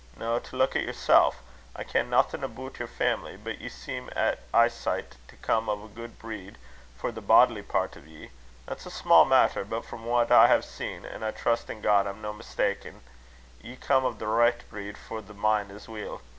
Noo, to luik at yersel': I ken naething aboot yer family; but ye seem at eesicht to come o' a guid breed for the bodily part o' ye. That's a sma' matter; but frae what I ha'e seen an' I trust in God I'm no' mista'en ye come o' the richt breed for the min' as weel.